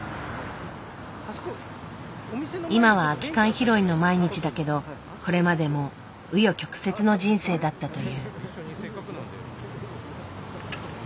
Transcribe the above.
今は空き缶拾いの毎日だけどこれまでも紆余曲折の人生だったという。